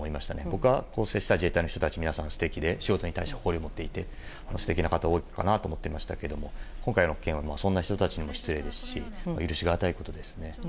僕が接した自衛隊の方々は素敵で仕事に対して誇りを持っていて、素敵な方が多いかなと思っていましたが今回の件はそんな人たちにも失礼ですし許しがたいことですね。